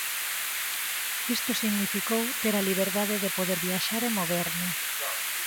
Isto significou ter a liberdade de poder viaxar e moverme.